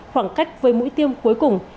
khoảng cách với mũi tiêm cuối cùng